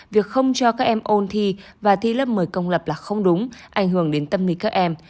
việc không cho các em ôn thi và thi lớp một mươi công lập là không đúng ảnh hưởng đến tâm lý các em